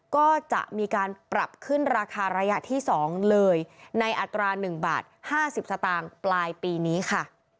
ก็จะมีการปรับขึ้นราคาระยะที่๒เลยในอัตรา๑บาท๕๐สตางค์ปลายปีนี้ค่ะ